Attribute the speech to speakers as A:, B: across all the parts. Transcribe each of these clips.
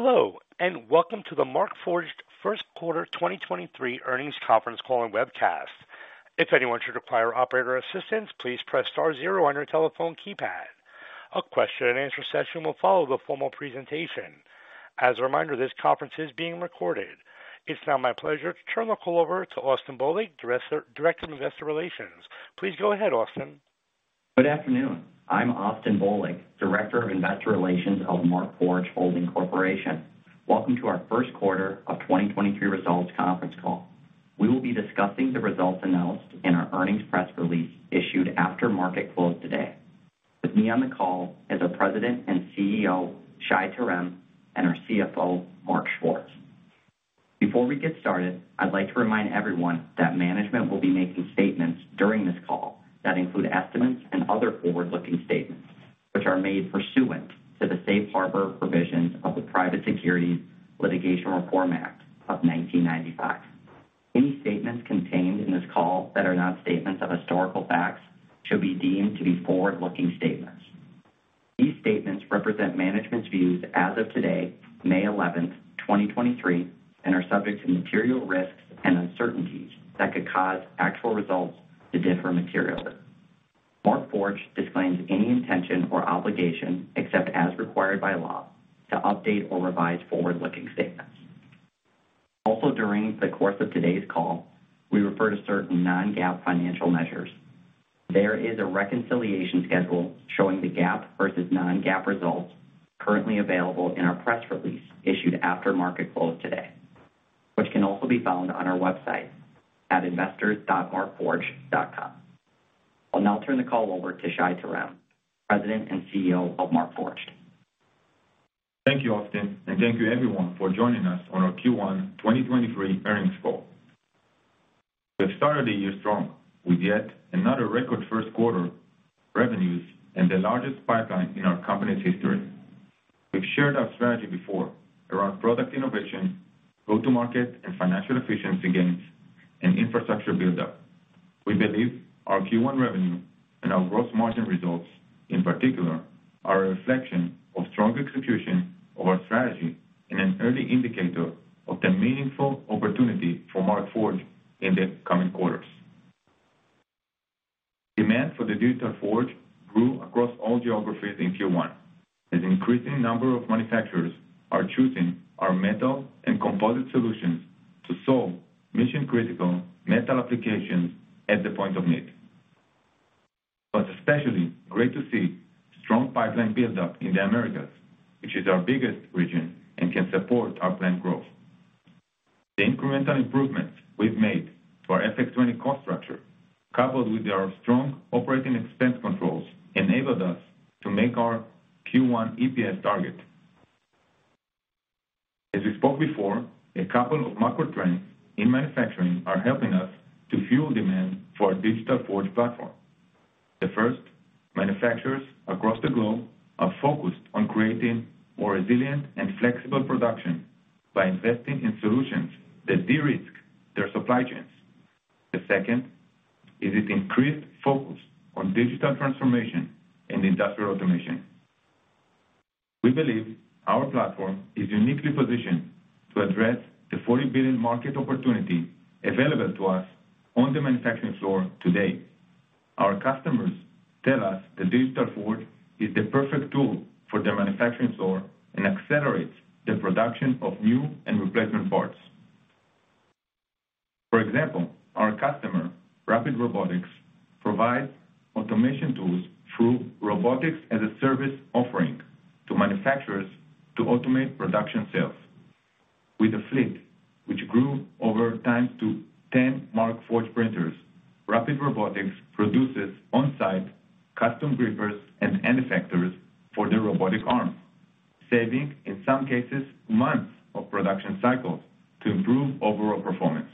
A: Hello, welcome to the Markforged first quarter 2023 earnings conference call and webcast. If anyone should require operator assistance, please press star zero on your telephone keypad. A question-and-answer session will follow the formal presentation. As a reminder, this conference is being recorded. It's now my pleasure to turn the call over to Austin Bohlig, Director of Investor Relations. Please go ahead, Austin.
B: Good afternoon. I'm Austin Bohlig, Director of Investor Relations of Markforged Holding Corporation. Welcome to our first quarter of 2023 results conference call. We will be discussing the results announced in our earnings press release issued after market close today. With me on the call is our President and CEO, Shai Terem, and our CFO, Mark Schwartz. Before we get started, I'd like to remind everyone that management will be making statements during this call that include estimates and other forward-looking statements which are made pursuant to the safe harbor provisions of the Private Securities Litigation Reform Act of 1995. Any statements contained in this call that are not statements of historical facts should be deemed to be forward-looking statements. These statements represent management's views as of today, May 11, 2023, and are subject to material risks and uncertainties that could cause actual results to differ materially. Markforged disclaims any intention or obligation, except as required by law, to update or revise forward-looking statements. During the course of today's call, we refer to certain non-GAAP financial measures. There is a reconciliation schedule showing the GAAP versus non-GAAP results currently available in our press release issued after market close today, which can also be found on our website at investors.markforged.com. I'll now turn the call over to Shai Terem, President and CEO of Markforged.
C: Thank you, Austin Bohlig, thank you everyone for joining us on our Q1 2023 earnings call. We have started the year strong with yet another record first quarter revenues and the largest pipeline in our company's history. We've shared our strategy before around product innovation, go-to-market and financial efficiency gains and infrastructure buildup. We believe our Q1 revenue and our gross margin results in particular are a reflection of strong execution of our strategy and an early indicator of the meaningful opportunity for Markforged in the coming quarters. Demand for the Digital Forge grew across all geographies in Q1, as increasing number of manufacturers are choosing our metal and composite solutions to solve mission-critical metal applications at the point of need. Especially great to see strong pipeline buildup in the Americas, which is our biggest region and can support our planned growth. The incremental improvements we've made to our FX20 cost structure, coupled with our strong operating expense controls, enabled us to make our Q1 EPS target. As we spoke before, a couple of macro trends in manufacturing are helping us to fuel demand for our Digital Forge platform. The first. Manufacturers across the globe are focused on creating more resilient and flexible production by investing in solutions that de-risk their supply chains. The second is its increased focus on digital transformation and industrial automation. We believe our platform is uniquely positioned to address the $40 billion market opportunity available to us on the manufacturing floor today. Our customers tell us the Digital Forge is the perfect tool for their manufacturing floor and accelerates the production of new and replacement parts. For example, our customer, Rapid Robotics, provides automation tools through robotics-as-a-service offering to manufacturers to automate production sales. With a fleet which grew over time to 10 Markforged printers, Rapid Robotics produces on-site custom grippers and end effectors for their robotic arm, saving, in some cases, months of production cycles to improve overall performance.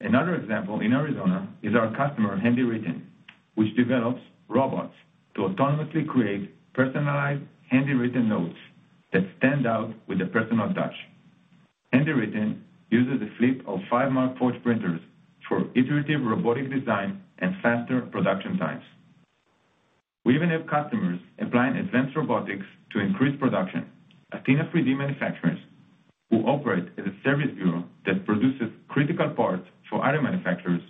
C: Another example in Arizona is our customer, Handwrytten, which develops robots to autonomously create personalized, handwritten notes that stand out with a personal touch. Handwrytten uses a fleet of five Markforged printers for iterative robotic design and faster production times. We even have customers applying advanced robotics to increase production. Athena 3D Manufacturers, who operate as a service bureau that produces critical parts for other manufacturers,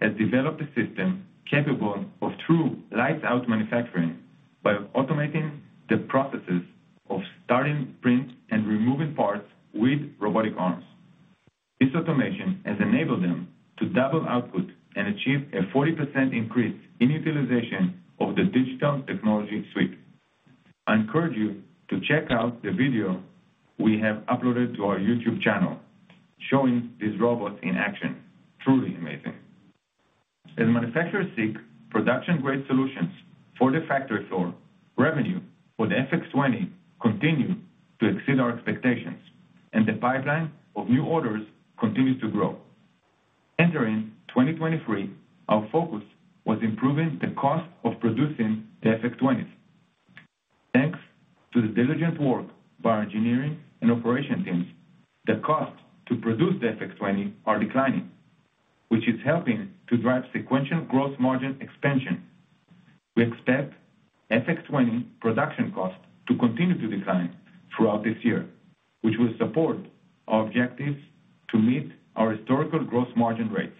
C: has developed a system capable of true lights-out manufacturing by automating the processes of starting print and removing parts with robotic arms. This automation has enabled them to double output and achieve a 40% increase in utilization of the digital technology suite. I encourage you to check out the video we have uploaded to our YouTube channel showing these robots in action. Truly amazing. As manufacturers seek production-grade solutions for the factory floor, revenue for the FX20 continue to exceed our expectations, and the pipeline of new orders continues to grow. Entering 2023, our focus was improving the cost of producing the FX20s. Thanks to the diligent work by our engineering and operation teams, the cost to produce the FX20 are declining, which is helping to drive sequential gross margin expansion. We expect FX20 production costs to continue to decline throughout this year, which will support our objectives to meet our historical gross margin rates.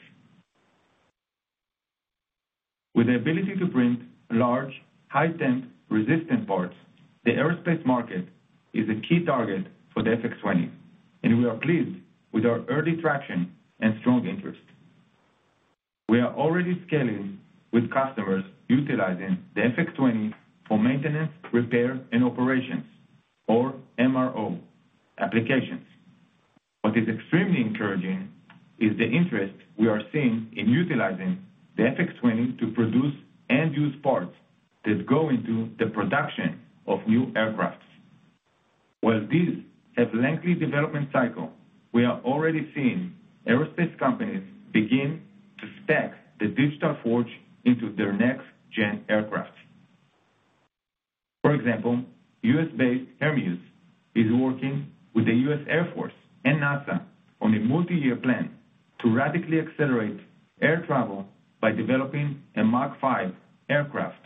C: With the ability to print large, high-temp resistant parts, the aerospace market is a key target for the FX20, and we are pleased with our early traction and strong interest. We are already scaling with customers utilizing the FX20 for maintenance, repair, and operations, or MRO applications. What is extremely encouraging is the interest we are seeing in utilizing the FX20 to produce end-use parts that go into the production of new aircraft. While these have lengthy development cycle, we are already seeing aerospace companies begin to stack the Digital Forge into their next-gen aircraft. For example, U.S.-based Hermeus is working with the U.S. Air Force and NASA on a multi-year plan to radically accelerate air travel by developing a Mach 5 aircraft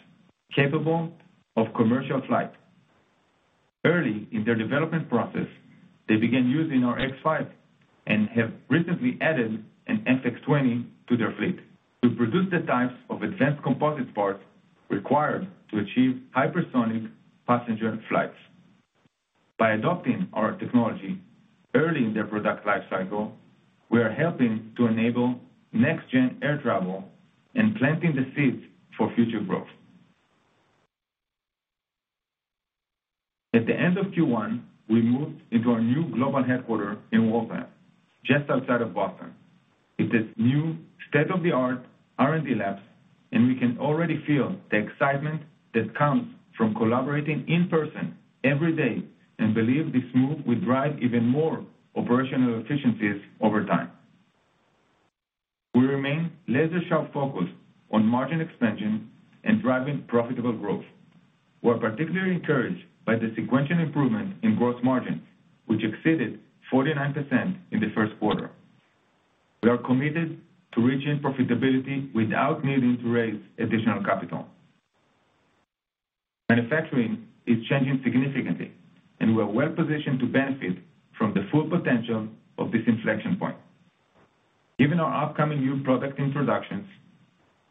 C: capable of commercial flight. Early in their development process, they began using our X5 and have recently added an FX20 to their fleet to produce the types of advanced composite parts required to achieve hypersonic passenger flights. By adopting our technology early in their product life cycle, we are helping to enable next gen air travel and planting the seeds for future growth. At the end of Q1, we moved into our new global headquarter in Waltham, just outside of Boston. It is new state-of-the-art R&D labs, and we can already feel the excitement that comes from collaborating in person every day and believe this move will drive even more operational efficiencies over time. We remain laser sharp focused on margin expansion and driving profitable growth. We're particularly encouraged by the sequential improvement in gross margin, which exceeded 49% in the first quarter. We are committed to reaching profitability without needing to raise additional capital. Manufacturing is changing significantly, and we're well-positioned to benefit from the full potential of this inflection point. Given our upcoming new product introductions,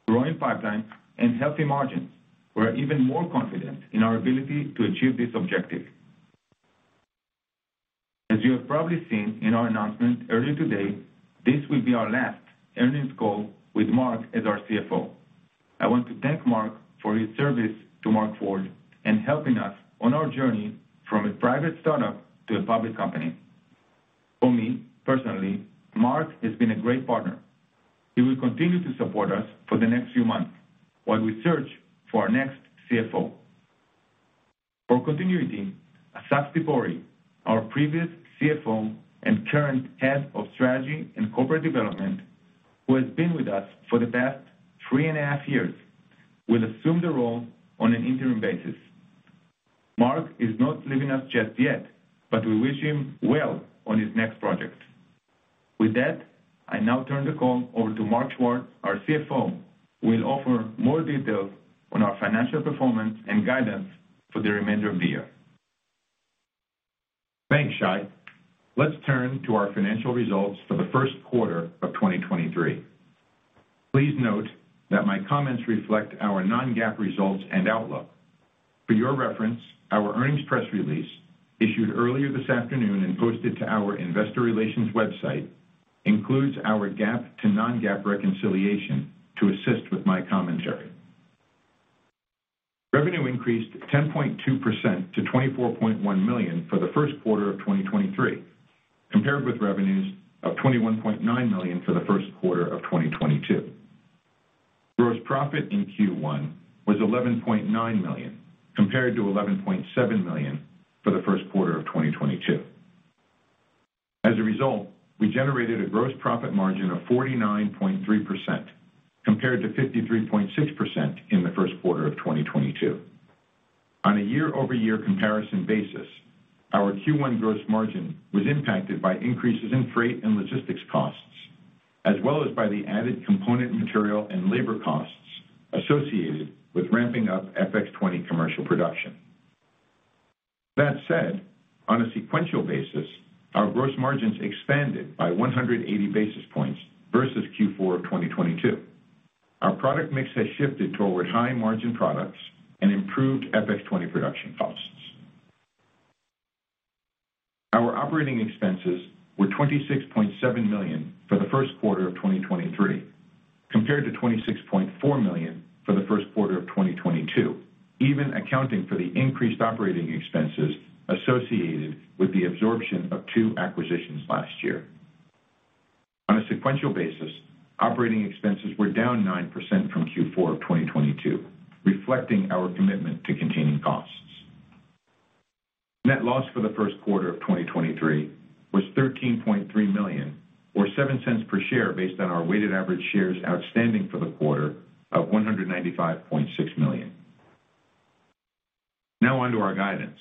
C: growing pipeline, and healthy margins, we're even more confident in our ability to achieve this objective. As you have probably seen in our announcement earlier today, this will be our last earnings call with Mark as our CFO. I want to thank Mark for his service to Markforged and helping us on our journey from a private start-up to a public company. For me, personally, Mark has been a great partner. He will continue to support us for the next few months while we search for our next CFO. For continuity, Assaf Zipori, our previous CFO and current Head of Strategy and Corporate Development, who has been with us for the past 3.5 years, will assume the role on an interim basis. Mark is not leaving us just yet. We wish him well on his next project. With that, I now turn the call over to Mark Schwartz, our CFO, who will offer more details on our financial performance and guidance for the remainder of the year.
D: Thanks, Shai. Let's turn to our financial results for the first quarter of 2023. Please note that my comments reflect our non-GAAP results and outlook. For your reference, our earnings press release, issued earlier this afternoon and posted to our investor relations website, includes our GAAP to non-GAAP reconciliation to assist with my commentary. Revenue increased 10.2% to $24.1 million for the first quarter of 2023, compared with revenues of $21.9 million for the first quarter of 2022. Gross profit in Q1 was $11.9 million, compared to $11.7 million for the first quarter of 2022. As a result, we generated a gross profit margin of 49.3%, compared to 53.6% in the first quarter of 2022. On a year-over-year comparison basis, our Q1 gross margin was impacted by increases in freight and logistics costs, as well as by the added component material and labor costs associated with ramping up FX20 commercial production. That said, on a sequential basis, our gross margins expanded by 180 basis points versus Q4 of 2022. Our product mix has shifted toward high margin products and improved FX20 production costs. Our operating expenses were $26.7 million for the first quarter of 2023, compared to $26.4 million for the first quarter of 2022, even accounting for the increased operating expenses associated with the absorption of two acquisitions last year. On a sequential basis, operating expenses were down 9% from Q4 of 2022, reflecting our commitment to containing costs. Net loss for the first quarter of 2023 was $13.3 million or $0.07 per share based on our weighted average shares outstanding for the quarter of $195.6 million. On to our guidance.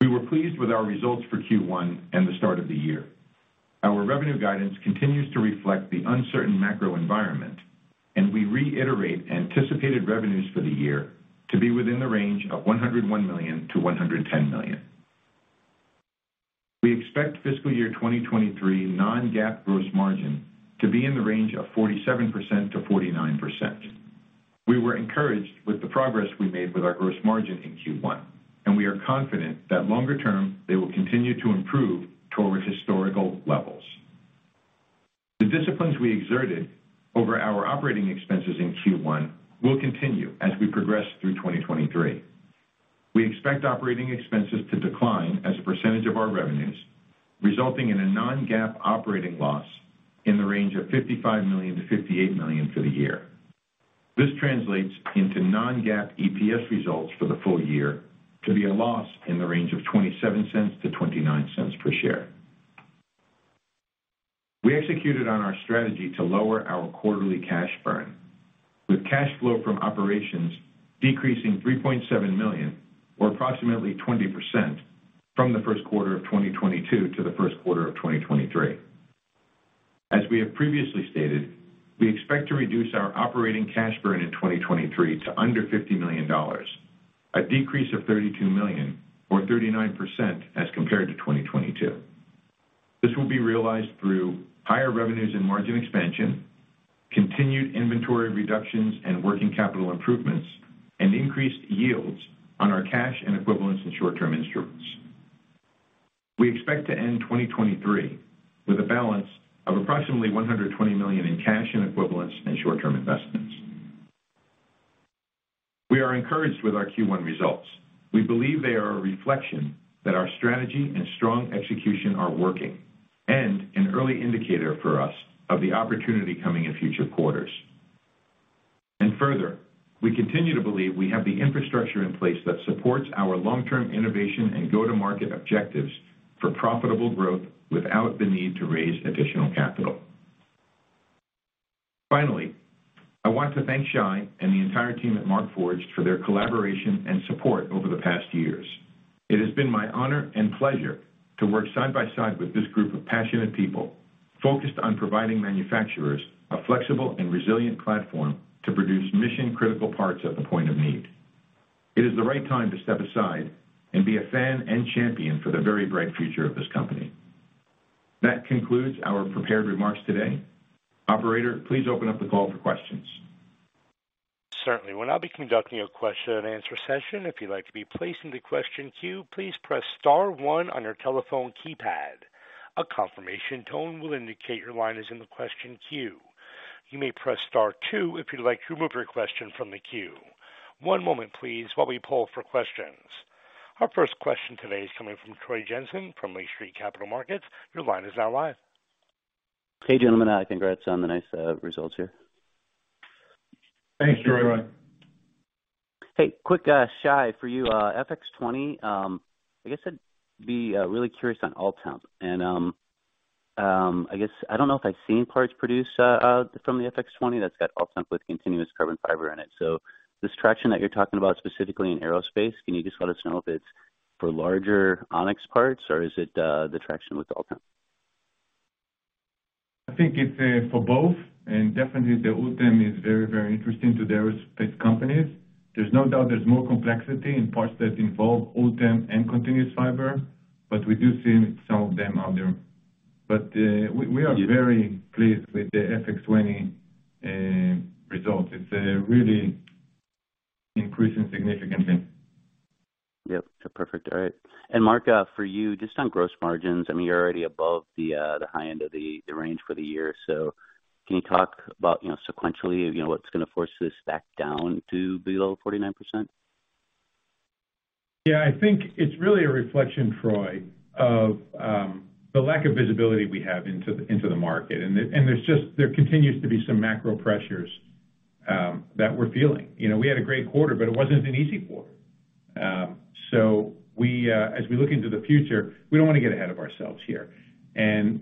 D: We were pleased with our results for Q1 and the start of the year. Our revenue guidance continues to reflect the uncertain macro environment, and we reiterate anticipated revenues for the year to be within the range of $101 million-$110 million. We expect fiscal year 2023 non-GAAP gross margin to be in the range of 47%-49%. We were encouraged with the progress we made with our gross margin in Q1, and we are confident that longer term, they will continue to improve towards historical levels. The disciplines we exerted over our operating expenses in Q1 will continue as we progress through 2023. We expect operating expenses to decline as a percentage of our revenues, resulting in a non-GAAP operating loss in the range of $55 million-$58 million for the year. This translates into non-GAAP EPS results for the full year to be a loss in the range of $0.27-$0.29 per share. We executed on our strategy to lower our quarterly cash burn, with cash flow from operations decreasing $3.7 million or approximately 20% from the first quarter of 2022 to the first quarter of 2023. As we have previously stated, we expect to reduce our operating cash burn in 2023 to under $50 million, a decrease of $32 million or 39% as compared to 2022. This will be realized through higher revenues and margin expansion, continued inventory reductions and working capital improvements, and increased yields on our cash and equivalents in short-term instruments. We expect to end 2023 with a balance of approximately $120 million in cash and equivalents and short-term investments. We are encouraged with our Q1 results. We believe they are a reflection that our strategy and strong execution are working and an early indicator for us of the opportunity coming in future quarters. Further, we continue to believe we have the infrastructure in place that supports our long-term innovation and go-to-market objectives for profitable growth without the need to raise additional capital. Finally, I want to thank Shai and the entire team at Markforged for their collaboration and support over the past years. It has been my honor and pleasure to work side by side with this group of passionate people focused on providing manufacturers a flexible and resilient platform to produce mission-critical parts at the point of need. It is the right time to step aside and be a fan and champion for the very bright future of this company. That concludes our prepared remarks today. Operator, please open up the call for questions.
A: Certainly. We'll now be conducting a question and answer session. If you'd like to be placed in the question queue, please press star one on your telephone keypad. A confirmation tone will indicate your line is in the question queue. You may press star two if you'd like to remove your question from the queue. One moment please, while we poll for questions. Our first question today is coming from Troy Jensen from Lake Street Capital Markets. Your line is now live.
E: Hey, gentlemen, congrats on the nice results here.
D: Thank you.
C: Thank you.
E: Hey, quick, Shai, for you, FX20, I guess I'd be really curious on ULTEM and I guess I don't know if I've seen parts produced from the FX20 that's got ULTEM with continuous carbon fiber in it. This traction that you're talking about specifically in aerospace, can you just let us know if it's for larger Onyx parts or is it the traction with ULTEM?
C: I think it's for both, and definitely the ULTEM is very, very interesting to the aerospace companies. There's no doubt there's more complexity in parts that involve ULTEM and continuous fiber, but we do see some of them out there. We are very pleased with the FX20 results. It's really increasing significantly.
E: Yep. Perfect. All right. Mark, for you, just on gross margins, I mean, you're already above the high end of the range for the year, can you talk about, you know, sequentially, you know, what's gonna force this back down to below 49%?
D: Yeah, I think it's really a reflection, Troy Jensen, of the lack of visibility we have into the market. There continues to be some macro pressures that we're feeling. You know, we had a great quarter, but it wasn't an easy quarter. We, as we look into the future, we don't wanna get ahead of ourselves here.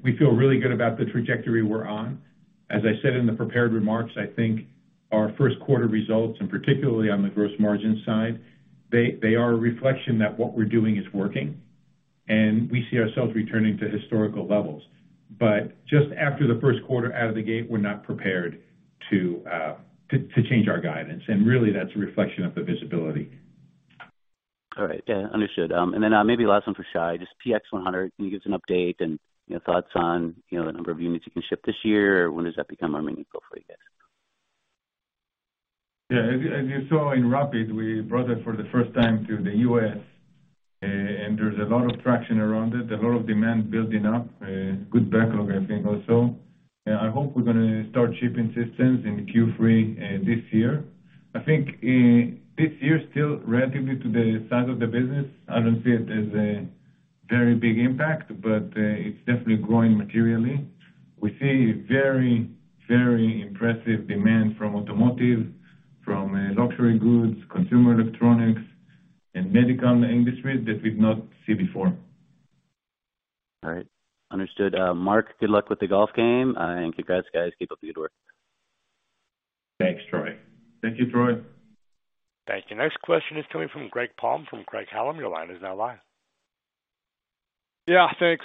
D: We feel really good about the trajectory we're on. As I said in the prepared remarks, I think our first quarter results, and particularly on the gross margin side, they are a reflection that what we're doing is working, and we see ourselves returning to historical levels. Just after the first quarter out of the gate, we're not prepared to change our guidance. Really that's a reflection of the visibility.
E: All right. Yeah, understood. Then, maybe last one for Shai. Just PX100. Can you give us an update and, you know, thoughts on, you know, the number of units you can ship this year? When does that become meaningful for you guys?
C: Yeah. As you saw in Rapid, we brought it for the first time to the US. There's a lot of traction around it, a lot of demand building up, good backlog, I think also. I hope we're gonna start shipping systems in Q3 this year. I think, this year, still relatively to the size of the business, I don't see it as a very big impact, it's definitely growing materially. We see very impressive demand from automotive, from luxury goods, consumer electronics, and medical industries that we've not seen before.
F: All right. Understood. Mark, good luck with the golf game and congrats guys. Keep up the good work.
D: Thanks, Troy.
C: Thank you, Troy.
A: Thank you. Next question is coming from Greg Palm from Craig-Hallum. Your line is now live.
G: Yeah, thanks.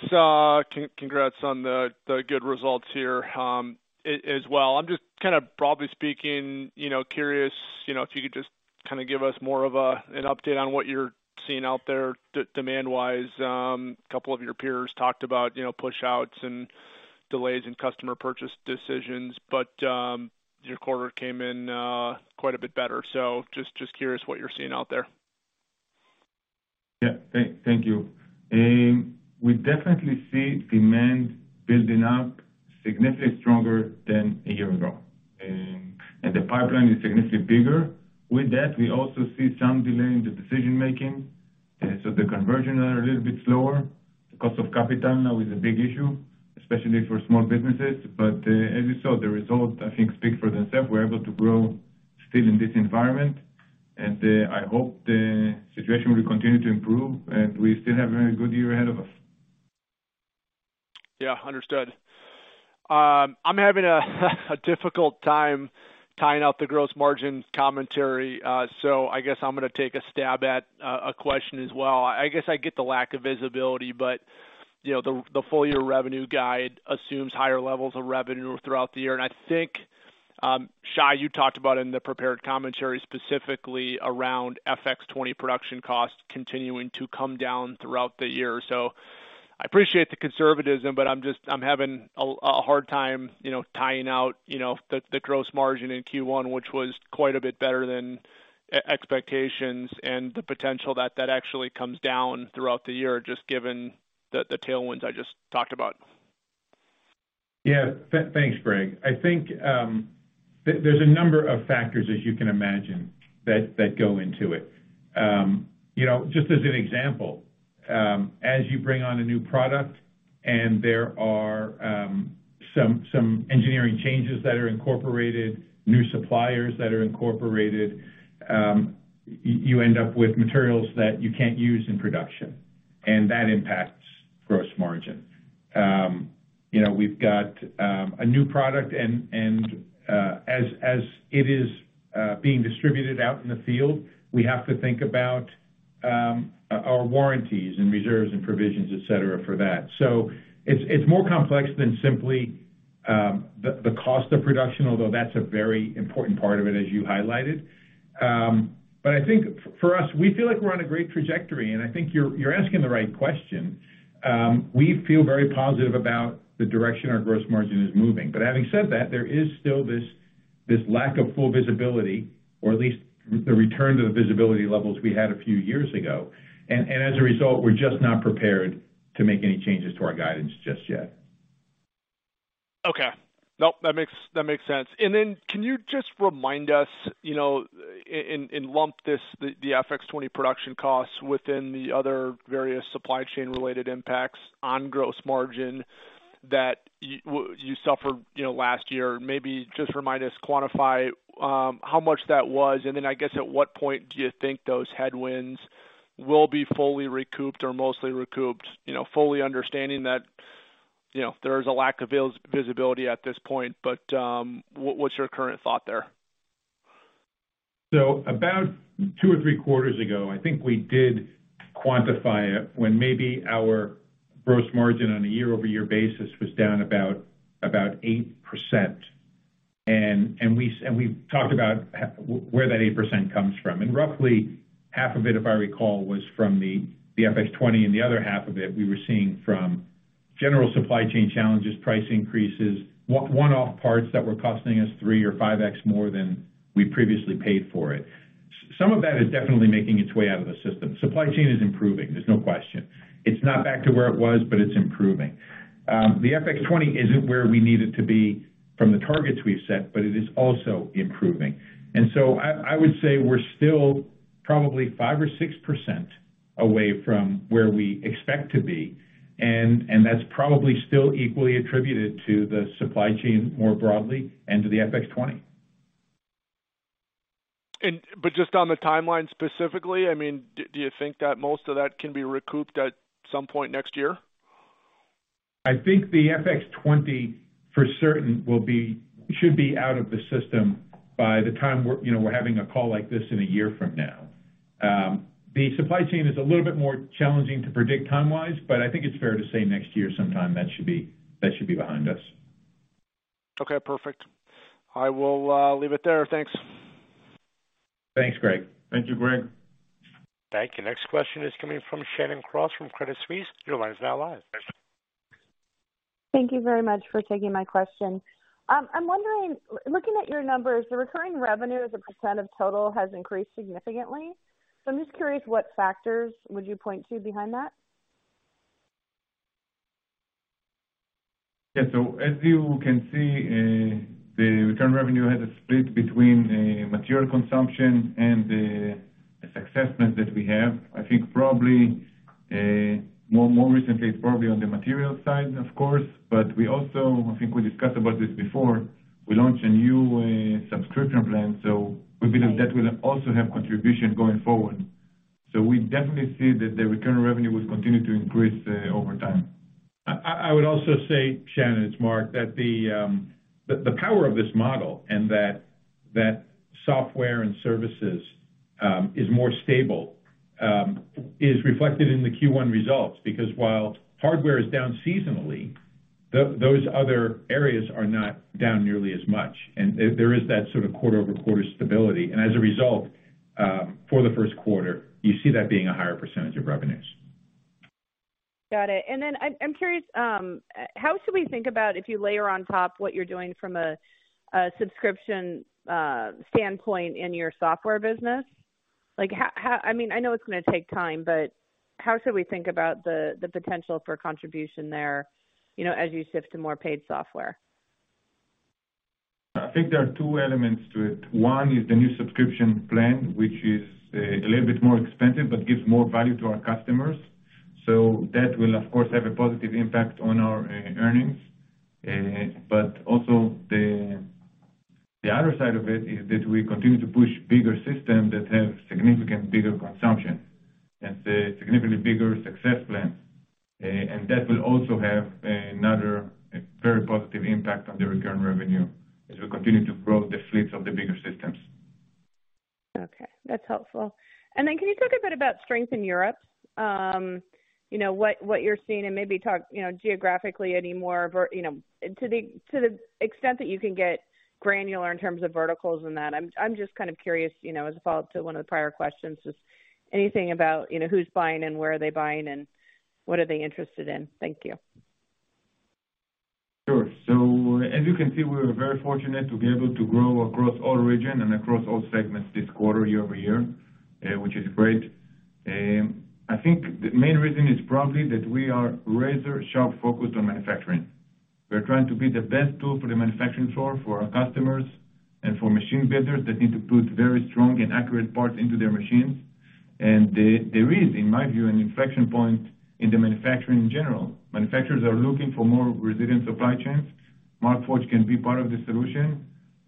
G: Congrats on the good results here as well. I'm just kind of broadly speaking, you know, curious, you know, if you could just kind of give us more of an update on what you're seeing out there demand wise. A couple of your peers talked about, you know, push-outs and delays in customer purchase decisions, but your quarter came in quite a bit better. Just curious what you're seeing out there.
C: Yeah. Thank you. We definitely see demand building up significantly stronger than a year ago. The pipeline is significantly bigger. With that, we also see some delay in the decision making. The conversion are a little bit slower. The cost of capital now is a big issue, especially for small businesses. As you saw, the results, I think, speak for themselves. We're able to grow still in this environment, and, I hope the situation will continue to improve and we still have a very good year ahead of us.
G: Yeah. Understood. I'm having a difficult time tying out the gross margins commentary. I guess I'm gonna take a stab at a question as well. I guess I get the lack of visibility, but, you know, the full year revenue guide assumes higher levels of revenue throughout the year. I think, Shai, you talked about in the prepared commentary specifically around FX20 production costs continuing to come down throughout the year. I appreciate the conservatism, but I'm having a hard time, you know, tying out, you know, the gross margin in Q1, which was quite a bit better than expectations and the potential that that actually comes down throughout the year, just given the tailwinds I just talked about.
D: Thanks, Greg. I think, there's a number of factors, as you can imagine, that go into it. You know, just as an example, as you bring on a new product and there are some engineering changes that are incorporated, new suppliers that are incorporated, you end up with materials that you can't use in production, and that impacts gross margin. You know, we've got a new product and as it is being distributed out in the field, we have to think about our warranties and reserves and provisions, et cetera, for that. It's more complex than simply the cost of production although that's a very important part of it as you highlighted. I think for us, we feel like we're on a great trajectory, and I think you're asking the right question. We feel very positive about the direction our gross margin is moving. Having said that, there is still this lack of full visibility or at least the return to the visibility levels we had a few years ago. As a result, we're just not prepared to make any changes to our guidance just yet.
G: Okay. Nope, that makes sense. Can you just remind us, you know, in lump this the FX20 production costs within the other various supply chain related impacts on gross margin that you suffered, you know, last year? Maybe just remind us, quantify, how much that was, and then I guess at what point do you think those headwinds will be fully recouped or mostly recouped? You know, fully understanding that, you know, there is a lack of visibility at this point, but what's your current thought there?
D: About two or three quarters ago, I think we did quantify it when maybe our gross margin on a year-over-year basis was down about 8%. We talked about where that 8% comes from. Roughly half of it, if I recall, was from the FX20, and the other half of it we were seeing from general supply chain challenges, price increases, one-off parts that were costing us 3x or 5x more than we previously paid for it. Some of that is definitely making its way out of the system. Supply chain is improving, there's no question. It's not back to where it was, but it's improving. The FX20 isn't where we need it to be from the targets we've set, but it is also improving. I would say we're still probably 5% or 6% away from where we expect to be, and that's probably still equally attributed to the supply chain more broadly and to the FX20.
G: Just on the timeline specifically, I mean, do you think that most of that can be recouped at some point next year?
D: I think the FX20 for certain should be out of the system by the time we're, you know, we're having a call like this in a year from now. The supply chain is a little bit more challenging to predict time-wise, but I think it's fair to say next year sometime that should be behind us.
G: Okay, perfect. I will leave it there. Thanks.
D: Thanks, Greg.
C: Thank you, Greg.
A: Thank you. Next question is coming from Shannon Cross from Credit Suisse. Your line is now live.
H: Thank you very much for taking my question. I'm wondering, looking at your numbers, the recurring revenue as a % of total has increased significantly. I'm just curious what factors would you point to behind that?
C: Yeah. As you can see, the return revenue has a split between material consumption and the success plan that we have. I think probably, more recently, it's probably on the material side, of course, but we also, I think we discussed about this before, we launched a new subscription plan, we believe that will also have contribution going forward. We definitely see that the return revenue will continue to increase over time.
D: I would also say, Shannon, it's Mark, that the power of this model and that software and services is more stable is reflected in the Q1 results. While hardware is down seasonally, those other areas are not down nearly as much. There is that sort of quarter-over-quarter stability. As a result, for the first quarter, you see that being a higher percentage of revenues.
H: Got it. I'm curious, how should we think about if you layer on top what you're doing from a subscription, standpoint in your software business? Like, how I mean, I know it's gonna take time, but how should we think about the potential for contribution there, you know, as you shift to more paid software?
C: I think there are two elements to it. One is the new subscription plan, which is a little bit more expensive but gives more value to our customers. That will of course have a positive impact on our earnings. Also the other side of it is that we continue to push bigger systems that have significant bigger consumption and significantly bigger success plans. That will also have another very positive impact on the recurring revenue as we continue to grow the fleets of the bigger systems.
H: Okay, that's helpful. Can you talk a bit about strength in Europe? You know, what you're seeing and maybe talk, you know, geographically any more, you know, to the extent that you can get granular in terms of verticals in that. I'm just kind of curious, you know, as a follow-up to one of the prior questions, just anything about, you know, who's buying and where are they buying and what are they interested in. Thank you.
C: Sure. As you can see, we're very fortunate to be able to grow across all region and across all segments this quarter, year-over-year, which is great. I think the main reason is probably that we are razor-sharp focused on manufacturing. We're trying to be the best tool for the manufacturing floor for our customers and for machine builders that need to put very strong and accurate parts into their machines. There is, in my view, an inflection point in the manufacturing in general. Manufacturers are looking for more resilient supply chains. Markforged can be part of the solution,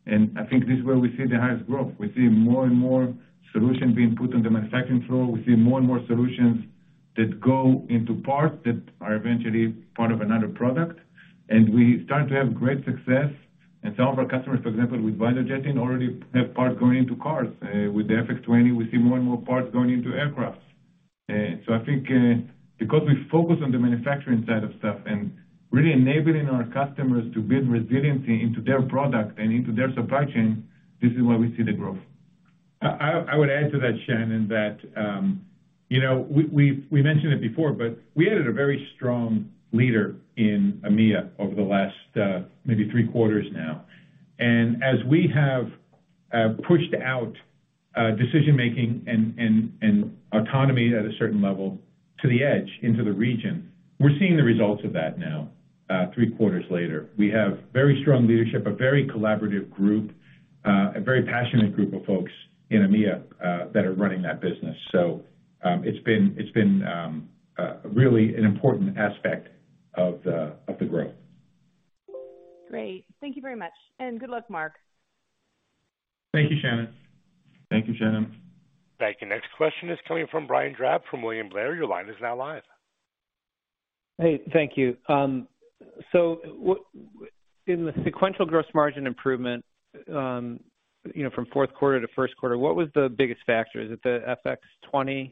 C: and I think this is where we see the highest growth. We see more and more solutions being put on the manufacturing floor. We see more and more solutions that go into parts that are eventually part of another product. We start to have great success. Some of our customers, for example, with Binder Jetting, already have parts going into cars. With the FX20, we see more and more parts going into aircraft. I think, because we focus on the manufacturing side of stuff and really enabling our customers to build resiliency into their product and into their supply chain, this is where we see the growth.
D: I would add to that, Shannon, that, you know, we've mentioned it before, but we added a very strong leader in EMEA over the last, maybe three quarters now. As we have pushed out decision-making and autonomy at a certain level to the edge into the region, we're seeing the results of that now, three quarters later. We have very strong leadership, a very collaborative group, a very passionate group of folks in EMEA, that are running that business. It's been really an important aspect of the growth.
H: Great. Thank you very much. Good luck, Mark.
D: Thank you, Shannon.
C: Thank you, Shannon.
A: Thank you. Next question is coming from Brian Drab from William Blair. Your line is now live.
I: Hey, thank you. In the sequential gross margin improvement, you know, from fourth quarter to first quarter, what was the biggest factor? Is it the FX20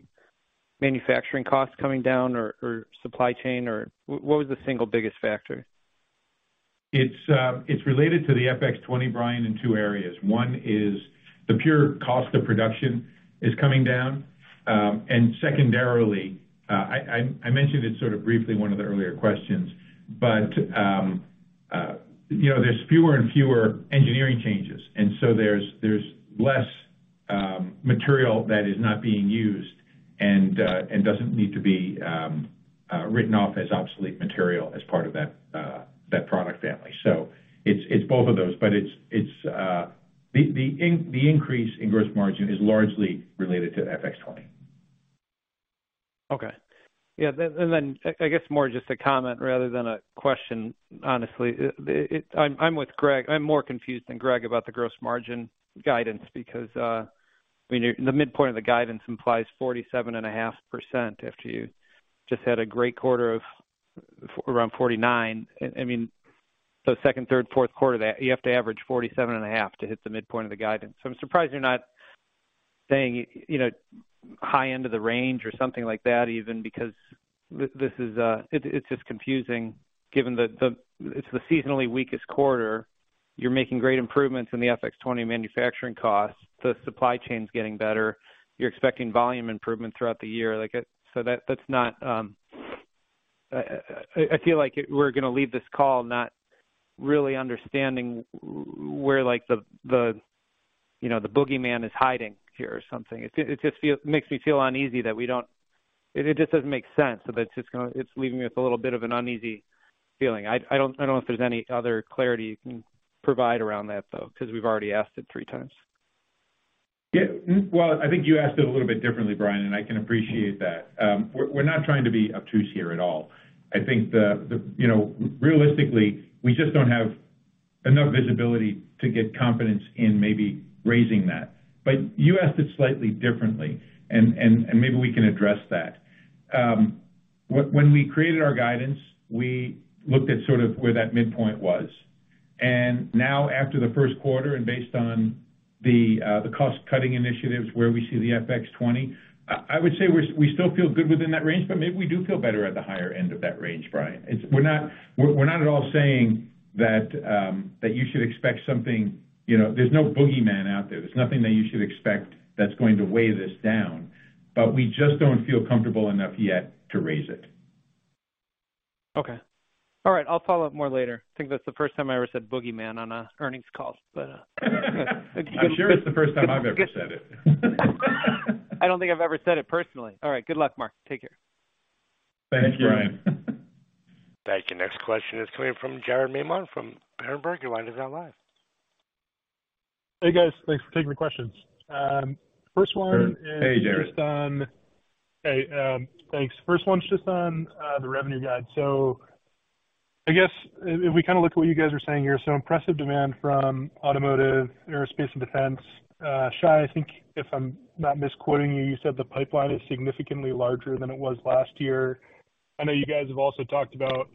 I: manufacturing costs coming down or supply chain or what was the single biggest factor?
D: It's related to the FX20, Brian, in two areas. One is the pure cost of production is coming down. Secondarily, I mentioned it sort of briefly one of the earlier questions, but, you know, there's fewer and fewer engineering changes, there's less material that is not being used and doesn't need to be written off as obsolete material as part of that product family. It's both of those, but it's the increase in gross margin is largely related to FX20.
I: Okay. Yeah. I guess more just a comment rather than a question. Honestly, I'm with Greg. I'm more confused than Greg about the gross margin guidance because, I mean, the midpoint of the guidance implies 47.5% after you just had a great quarter of around 49%. I mean, second, third, fourth quarter, that you have to average 47.5% to hit the midpoint of the guidance. I'm surprised you're not saying, you know, high end of the range or something like that even because this is just confusing given that it's the seasonally weakest quarter. You're making great improvements in the FX20 manufacturing costs. The supply chain's getting better. You're expecting volume improvement throughout the year. Like, that's not. I feel like it, we're gonna leave this call not really understanding where, like, the, you know, the boogeyman is hiding here or something. It just makes me feel uneasy that we don't. It just doesn't make sense. That's just gonna. It's leaving me with a little bit of an uneasy feeling. I don't know if there's any other clarity you can provide around that, though, because we've already asked it 3x.
D: Yeah. Well, I think you asked it a little bit differently, Brian. I can appreciate that. We're not trying to be obtuse here at all. I think, you know, realistically, we just don't have enough visibility to get confidence in maybe raising that. You asked it slightly differently, and maybe we can address that. When we created our guidance, we looked at sort of where that midpoint was. Now, after the first quarter, and based on the cost-cutting initiatives where we see the FX20, I would say we still feel good within that range, but maybe we do feel better at the higher end of that range, Brian. We're not, we're not at all saying that you should expect something, you know, there's no boogeyman out there. There's nothing that you should expect that's going to weigh this down, but we just don't feel comfortable enough yet to raise it.
I: Okay. All right, I'll follow up more later. I think that's the first time I ever said boogeyman on a earnings call, but.
D: I'm sure it's the first time I've ever said it.
I: I don't think I've ever said it personally. All right, good luck, Mark. Take care.
D: Thank you.
C: Thanks, Brian.
A: Thank you. Next question is coming from Jared Maymon from Berenberg. Your line is now live.
J: Hey, guys. Thanks for taking the questions. First one.
D: Hey, Jared.
J: Hey, thanks. First one's just on the revenue guide. I guess if we kinda look at what you guys are saying here, impressive demand from automotive, aerospace, and defense. Shai, I think if I'm not misquoting you said the pipeline is significantly larger than it was last year. I know you guys have also talked about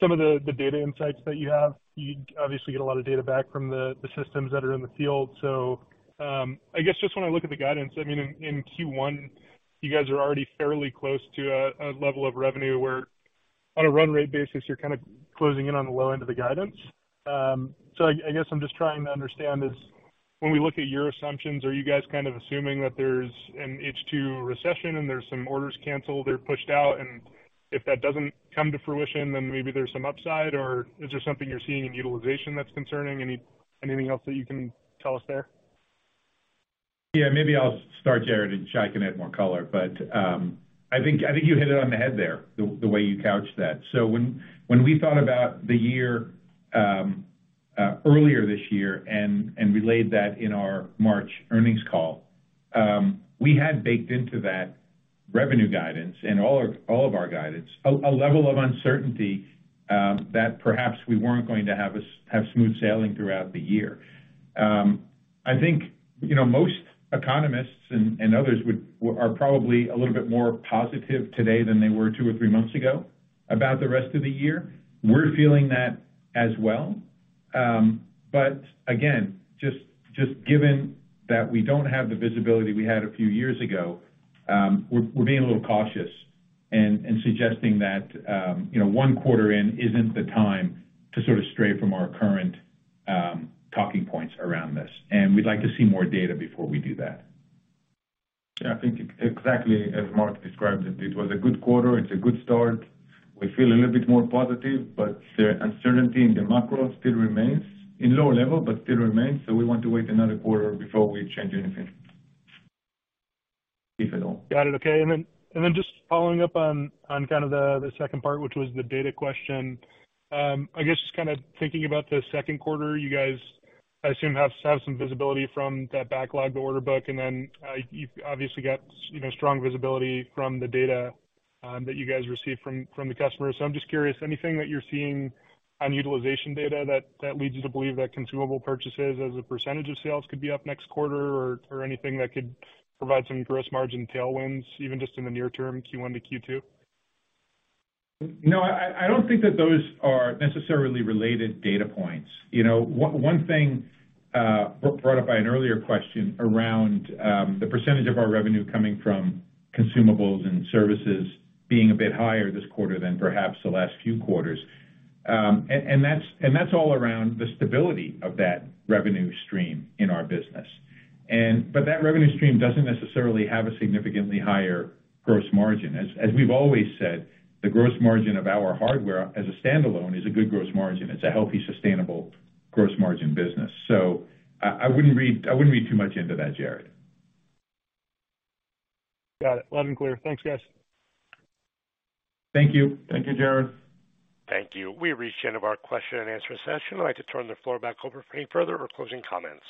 J: some of the data insights that you have. You obviously get a lot of data back from the systems that are in the field. I guess just when I look at the guidance, I mean, in Q1, you guys are already fairly close to a level of revenue where on a run rate basis you're kind of closing in on the low end of the guidance. I guess I'm just trying to understand is when we look at your assumptions, are you guys kind of assuming that there's an H2 recession and there's some orders canceled, they're pushed out, and if that doesn't come to fruition, then maybe there's some upside? Or is there something you're seeing in utilization that's concerning? Anything else that you can tell us there?
D: Yeah. Maybe I'll start, Jared, and Shai can add more color. I think you hit it on the head there, the way you couched that. When we thought about the year earlier this year and relayed that in our March earnings call, we had baked into that revenue guidance and all of our guidance, a level of uncertainty that perhaps we weren't going to have smooth sailing throughout the year. I think, you know, most economists and others are probably a little bit more positive today than they were two or three months ago about the rest of the year. We're feeling that as well. Again, just given that we don't have the visibility we had a few years ago, we're being a little cautious and suggesting that, you know, one quarter in isn't the time to sort of stray from our current talking points around this. We'd like to see more data before we do that.
C: Yeah. I think exactly as Mark described it. It was a good quarter. It's a good start. We feel a little bit more positive, but the uncertainty in the macro still remains. In low level, but still remains, so we want to wait another quarter before we change anything. If at all.
J: Got it. Okay. Just following up on kind of the second part, which was the data question. I guess just kind of thinking about the second quarter, you guys, I assume have some visibility from that backlog, the order book, and then you've obviously got, you know, strong visibility from the data that you guys receive from the customers. I'm just curious, anything that you're seeing on utilization data that leads you to believe that consumable purchases as a percentage of sales could be up next quarter or anything that could provide some gross margin tailwinds even just in the near term, Q1-Q2?
D: No, I don't think that those are necessarily related data points. You know, one thing brought up by an earlier question around the percentage of our revenue coming from consumables and services being a bit higher this quarter than perhaps the last few quarters. And that's, and that's all around the stability of that revenue stream in our business. But that revenue stream doesn't necessarily have a significantly higher gross margin. As we've always said, the gross margin of our hardware as a standalone is a good gross margin. It's a healthy, sustainable gross margin business. I wouldn't read, I wouldn't read too much into that, Jared.
J: Got it. Loud and clear. Thanks, guys.
D: Thank you.
C: Thank you, Jared.
A: Thank you. We've reached the end of our question and answer session. I'd like to turn the floor back over for any further or closing comments.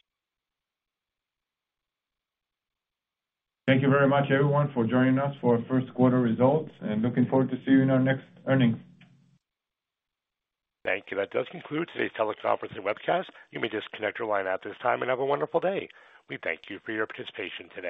C: Thank you very much everyone for joining us for our first quarter results and looking forward to seeing you in our next earnings.
A: Thank you. That does conclude today's teleconference and webcast. You may disconnect your line at this time and have a wonderful day. We thank you for your participation.